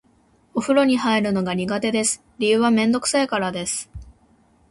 お風呂に入るのが苦手です。理由はめんどくさいからです。